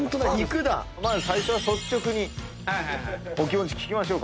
まず最初は率直にお気持ち聞きましょうかＡかＢか。